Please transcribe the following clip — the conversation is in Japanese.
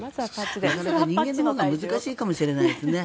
なかなか人間のほうが難しいかもしれないですね。